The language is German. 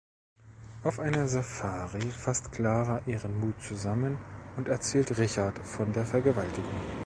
Auf einer Safari fasst Klara ihren Mut zusammen und erzählt Richard von der Vergewaltigung.